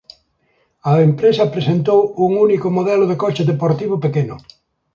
A empresa presentou un único modelo de coche deportivo pequeno.